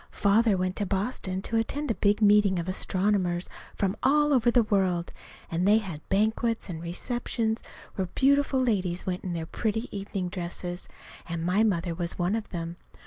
Father went to Boston to attend a big meeting of astronomers from all over the world, and they had banquets and receptions where beautiful ladies went in their pretty evening dresses, and my mother was one of them.